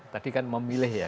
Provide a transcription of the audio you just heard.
tadi kan memilih ya